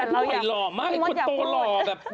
ลูกชายพหวยหล่อมากมันโตหล่อ